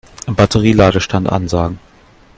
Batterie-Ladestand ansagen.